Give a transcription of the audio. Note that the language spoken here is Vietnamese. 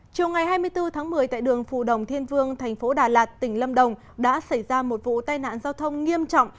chiều ngày hai mươi bốn tháng một mươi tại đường phù đồng thiên vương thành phố đà lạt tỉnh lâm đồng đã xảy ra một vụ tai nạn giao thông nghiêm trọng